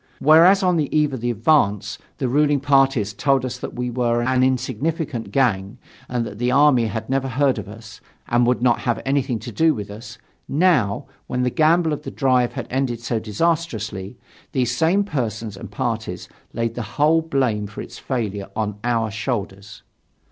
Whereas, on the eve of the advance, the ruling parties told us that we were an insignificant gang and that the army had never heard of us and would not have anything to do with us, now, when the gamble of the drive had ended so disastrously, these same persons and parties laid the whole blame for its failure on our shoulders.